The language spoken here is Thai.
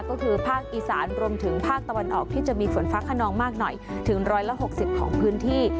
ก็คือภาคอีสานรวมถึงภาคตะวันออกที่จะมีฝนฟ้าขนองมากหน่อยถึง๑๖๐ของพื้นที่